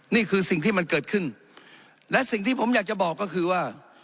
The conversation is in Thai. นี่คือสิ่งที่มันเกิดขึ้นและสิ่งที่ผมอยากจะบอกก็คือว่า